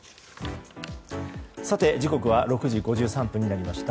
時刻は６時５３分になりました。